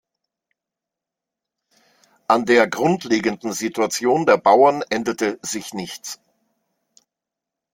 An der grundlegenden Situation der Bauern änderte sich nichts.